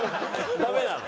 ダメなの？